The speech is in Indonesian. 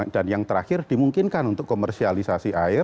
dan yang terakhir dimungkinkan untuk komersialisasi air